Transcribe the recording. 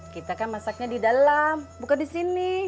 kita kan masaknya di dalam buka di sini